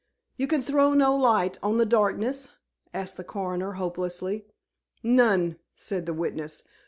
"You can throw no light on the darkness?" asked the Coroner hopelessly. "None," said the witness.